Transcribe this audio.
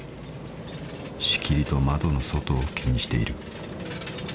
［しきりと窓の外を気にしている］